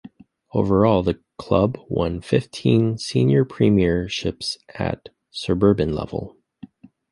Overall, the club won fifteen senior premierships at suburban level.